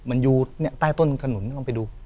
มันอยู่ใต้ต้นขนุนลองไปดู